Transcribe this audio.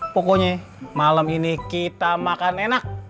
pokoknya malam ini kita makan enak